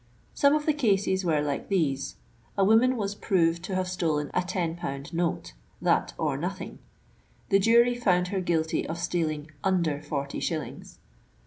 Some of the cases were like these. A woman was proved to have stolen a ten pound note — that or nothing. The jury found her guilty of stealing under forty shillings.